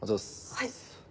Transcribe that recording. はい。